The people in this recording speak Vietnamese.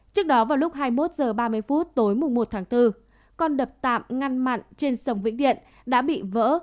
trước đó vào lúc hai mươi một h ba mươi phút tối một tháng bốn con đập tạm ngăn mặn trên sông vĩnh điện đã bị vỡ